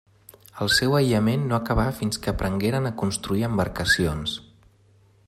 El seu aïllament no acabà fins que aprengueren a construir embarcacions.